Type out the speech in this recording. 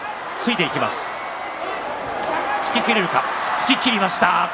突ききりました。